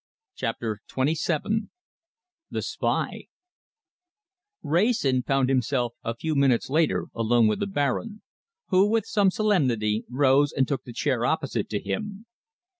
CHAPTER XXVII THE SPY Wrayson found himself a few minutes later alone with the Baron, who, with some solemnity, rose and took the chair opposite to him.